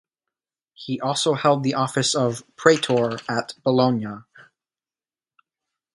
He also held the office of "praetor" at Bologna.